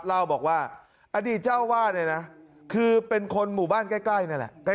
เล่าบอกว่าอดีตเจ้าวาดเนี่ยนะคือเป็นคนหมู่บ้านใกล้นั่นแหละใกล้